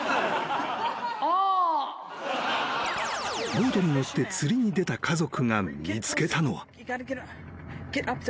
［ボートに乗って釣りに出た家族が見つけたのは］